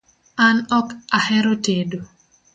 An ok ahero tedo